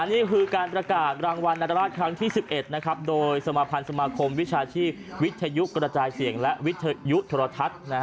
นี่คือการประกาศรางวัลนาตราชครั้งที่๑๑โดยสมาพันธ์สมาคมวิชาชีพวิทยุกระจายเสียงและวิทยุโทรทัศน์